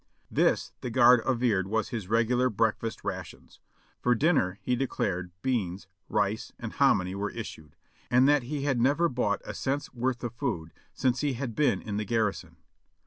This the guard averred was his regular breakfast rations; for dinner, he declared, beans, rice and hominy were issued; and that he had never bought a cent's worth of food since he had l>een in the garrison.